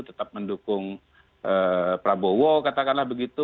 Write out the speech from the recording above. tetap mendukung prabowo katakanlah begitu